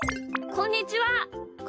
こんにちは。